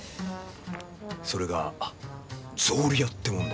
それが草履屋ってもんだよ。